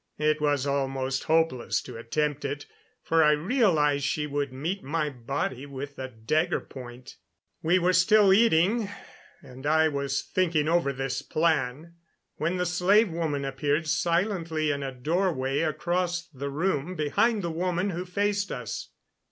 It was almost hopeless to attempt it, for I realized she would meet my body with the dagger point. We were still eating, and I was thinking over this plan, when the slave woman appeared silently in a doorway across the room, behind the woman who faced us.